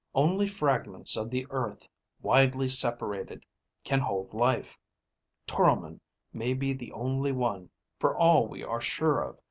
Only fragments of the earth, widely separated can hold life. Toromon may be the only one, for all we are sure of.